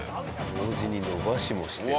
同時に延ばしもしている。